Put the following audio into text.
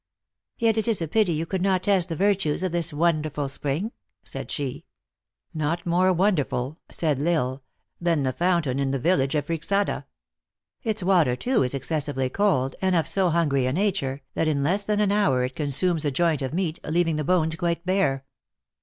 " Yet it is a pity you could not test the virtues of this wonderful spring," said she. " Not more wonderful," saidL Isle, " than the foun tain in the village of Friexada. Its water, too, is excessively cold, and of so hungry a nature, that in less than an hour it consumes a joint of meat, leaving the bones quite bare."